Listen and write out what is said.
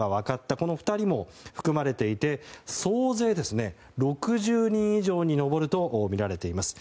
この２人も含まれていて総勢６０人以上に上るとみられています。